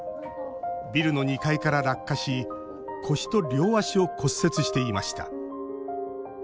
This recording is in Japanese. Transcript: ビルの２階から落下し腰と両足を骨折していました。